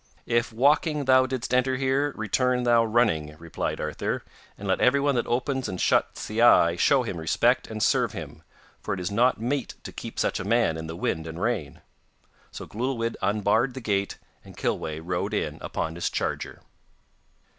'If walking thou didst enter here, return thou running,' replied Arthur, 'and let everyone that opens and shuts the eye show him respect and serve him, for it is not meet to keep such a man in the wind and rain.' So Glewlwyd unbarred the gate and Kilweh rode in upon his charger.